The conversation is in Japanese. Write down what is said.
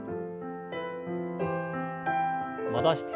戻して。